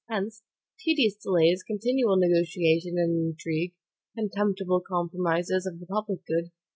Hence, tedious delays; continual negotiation and intrigue; contemptible compromises of the public good.